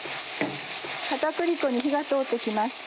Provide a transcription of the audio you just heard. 片栗粉に火が通って来ました。